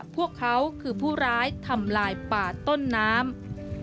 พวกเขาคือผู้ร้ายทำลายป่าต้นน้ำ